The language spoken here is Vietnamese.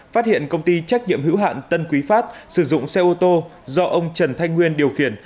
phát hiện công ty trách nhiệm hữu hạn tân quý phát sử dụng xe ô tô do ông trần thanh nguyên điều khiển